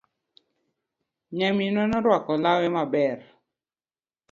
Nyaminwa norwako lawe maber.